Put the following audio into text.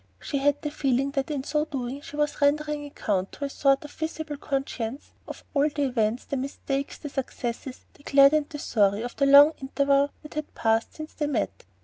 She had the feeling that in so doing she was rendering account to a sort of visible conscience of all the events, the mistakes, the successes, the glad and the sorry of the long interval that had passed since they met.